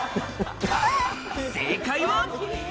正解は。